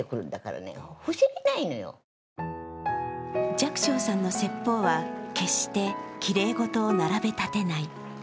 寂聴さんの説法は決してきれいごとを並べ立てない。